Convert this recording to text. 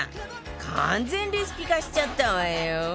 完全レシピ化しちゃったわよ